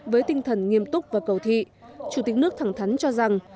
với tinh thần nghiêm túc và cầu thị chủ tịch nước thẳng thắn cho rằng